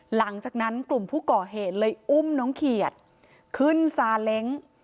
หลังจากนั้นกลุ่มผู้ก่อเหตุเลยอุ้มน้องเขียดขึ้นซาเล้ง